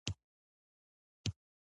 پولي واحد باید څنګه ثبات ولري؟